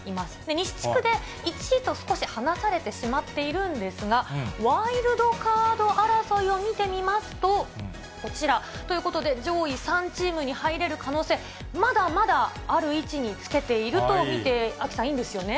西地区で１位と少し離されてしまっているんですが、ワイルドカード争いを見てみますと、こちら、ということで、上位３チームに入れる可能性、まだまだある位置につけていると見て、アキさん、いいんですよね？